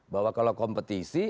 bahwa kalau kompetisi